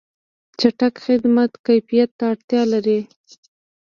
چټک خدمات کیفیت ته اړتیا لري.